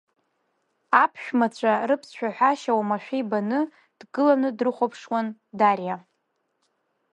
Аԥшәмацәа рыԥсшәаҳәашьа уамашәа ибаны, дгыланы, дрыхәаԥшуан Дариа.